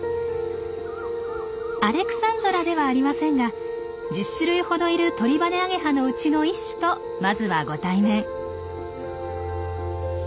アレクサンドラではありませんが１０種類ほどいるトリバネアゲハのうちの一種とまずはご対面。